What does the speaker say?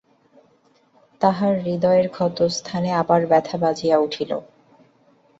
তাহার হৃদয়ের ক্ষতস্থানে আবার ব্যথা বাজিয়া উঠিল।